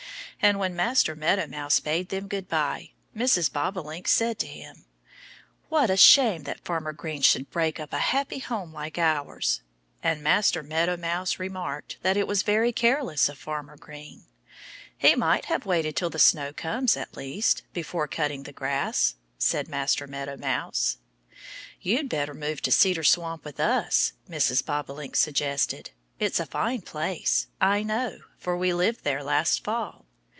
And when Master Meadow Mouse bade them good by Mrs. Bobolink said to him, "What a shame that Farmer Green should break up a happy home like ours!" And Master Meadow Mouse remarked that it was very careless of Farmer Green. "He might have waited till the snow comes, at least, before cutting the grass," said Master Meadow Mouse. "You'd better move to Cedar Swamp with us," Mrs. Bobolink suggested. "It's a fine place. I know, for we lived there last fall."